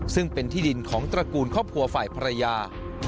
ซึ่งเป็นที่ดินของตระกูลครอบครัวฝ่ายภรรยา